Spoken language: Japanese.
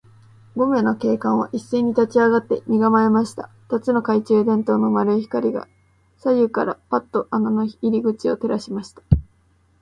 五名の警官はいっせいに立ちあがって、身がまえました。二つの懐中電燈の丸い光が、左右からパッと穴の入り口を照らしました。